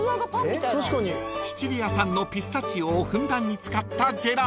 ［シチリア産のピスタチオをふんだんに使ったジェラート］